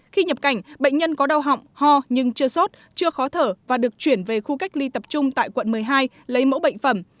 khi nhập cảnh bệnh nhân có đau họng ho nhưng chưa sốt chưa khó thở và được chuyển về khu cách ly tập trung tại quận một mươi hai lấy mẫu bệnh phẩm